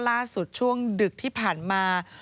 ล่าสุดช่วงดึกที่ผ่านมา